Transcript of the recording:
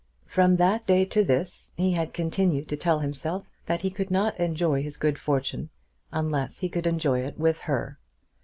From that day to this he had continued to tell himself that he could not enjoy his good fortune unless he could enjoy it with her.